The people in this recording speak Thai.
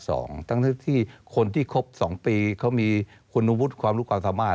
ตั้งแต่ที่คนที่ครบ๒ปีเขามีควรนุมพุทธความรู้ความสามารถ